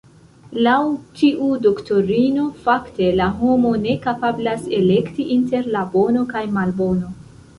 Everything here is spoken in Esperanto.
Laŭ tiu doktrino, fakte, la homo ne kapablas elekti inter la bono kaj malbono.